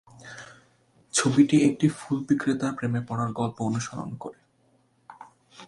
ছবিটি একটি ফুল বিক্রেতার প্রেমে পড়ার গল্প অনুসরণ করে।